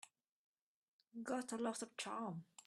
Got a lot of charm.